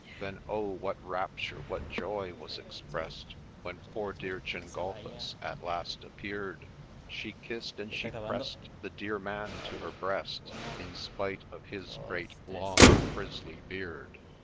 Then oh ! what rapture, what joy was exprest, When ' poor dear Gengulphus ' at last appear'd ! She kiss'd and she press'd ' the dear man ' to her breast, In spite of his great, long, frizzly beard.